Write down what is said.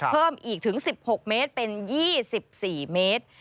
เพิ่มอีกถึง๑๖เมตรเป็น๒๔เมตร